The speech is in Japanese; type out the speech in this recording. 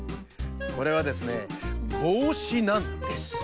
これはですねぼうしなんです！